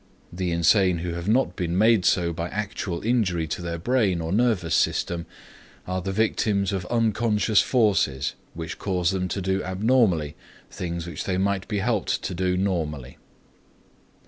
The insane who have not been made so by actual injury to their brain or nervous system, are the victims of unconscious forces which cause them to do abnormally things which they might be helped to do normally.